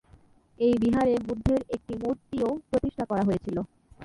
এই বিহারে বুদ্ধের একটি মূর্তিও প্রতিষ্ঠা করা হয়েছিল।